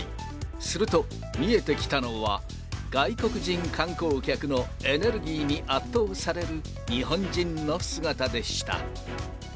すると、見えてきたのは、外国人観光客のエネルギーに圧倒される日本人の姿でした。